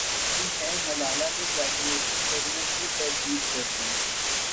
امتحانات باقی ہیں ملالہ نے گریجویشن کرنے کی تردید کردی